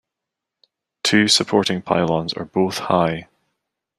Two supporting pylons are both high.